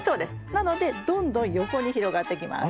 なのでどんどん横に広がってきます。